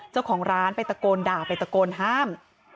เจ้าของร้านไปตะโกนด่าไปตะโกนห้าม